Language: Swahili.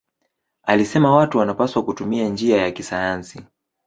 Alisema watu wanapaswa kutumia njia ya kisayansi.